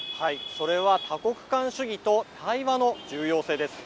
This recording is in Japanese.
それは多国間主義と対話の重要性です。